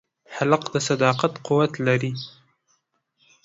هلک د صداقت قوت لري.